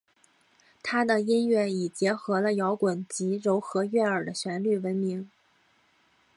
她的音乐以结合了摇滚及柔和悦耳的旋律闻名。